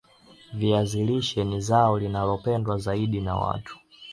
viazi lishe ni zao linalopendwa zaidi na watu